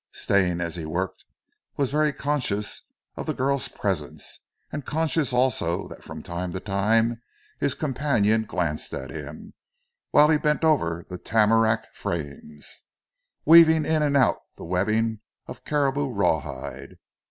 Stane, as he worked, was very conscious of the girl's presence, and conscious also that from time to time his companion glanced at him, whilst he bent over the tamarack frames, weaving in and out the webbing of caribou raw hide.